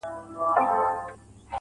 زړه یوسې او پټ یې په دسمال کي کړې بدل~